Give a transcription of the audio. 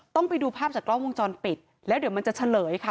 ไปดูภาพจากกล้องวงจรปิดแล้วเดี๋ยวมันจะเฉลยค่ะ